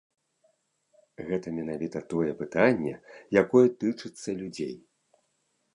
Гэта менавіта тое пытанне, якое тычыцца людзей.